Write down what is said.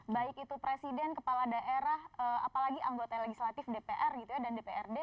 baik itu presiden kepala daerah apalagi anggota legislatif dpr gitu ya dan dprd